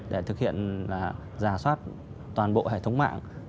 để thực hiện giả soát toàn bộ hệ thống mạng